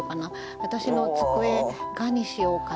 「私の机が」にしようかなとか。